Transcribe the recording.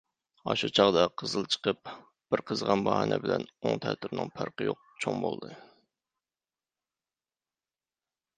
ئاشۇ چاغدا قىزىل چىقىپ، بىر قىزىغان باھانە بىلەن ئوڭ-تەتۈرىنىڭ پەرقى يوق چوڭ بولدى.